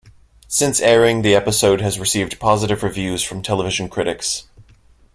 Since airing, the episode has received positive reviews from television critics.